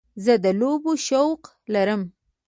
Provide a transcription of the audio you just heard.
زه د لوبو شوق لرم.